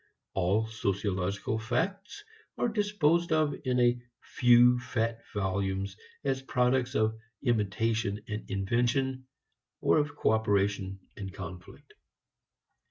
All sociological facts are disposed of in a few fat volumes as products of imitation and invention, or of cooperation and conflict.